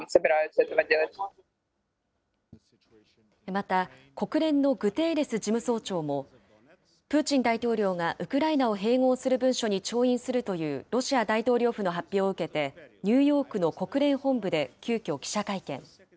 また国連のグテーレス事務総長も、プーチン大統領がウクライナを併合する文書に調印するというロシア大統領府の発表を受けて、ニューヨークの国連本部で急きょ記者会見。